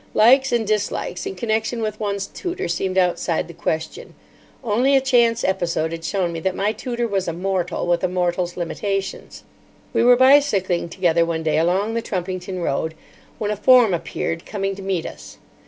Likes and dislikes in connection with one's tutor seemed outside the question. Only a chance episode had shown me that my tutor was a mortal with a mortal's limitations. We were bicycling together one day along the Trumpington Road, when a form appeared, coming to meet us.